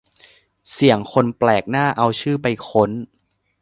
เสี่ยงคนแปลกหน้าเอาชื่อไปค้น